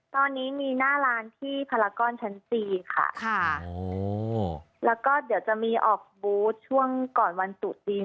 ตอนนี้มีหน้าร้านที่พลากรชั้นสี่ค่ะค่ะโอ้แล้วก็เดี๋ยวจะมีออกบูธช่วงก่อนวันตุจีน